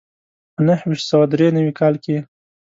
په نهه ویشت سوه دري نوي کال کې.